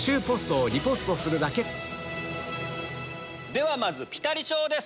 ではまずピタリ賞です。